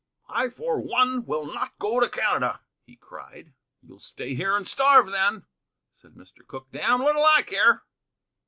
"I, for one, will not go to Canada," he cried. "You'll stay here and starve, then," said Mr. Cooke; "damned little I care."